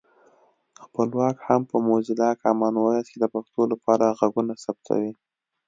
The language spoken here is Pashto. خپلواک هم په موزیلا کامن وایس کې د پښتو لپاره غږونه ثبتوي